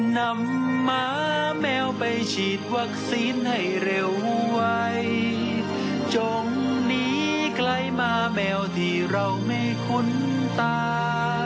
หมาแมวไปฉีดวัคซีนให้เร็วไว้จงหนีไกลมาแมวที่เราไม่คุ้นตา